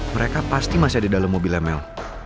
mereka pasti masih ada dalam mobilnya mel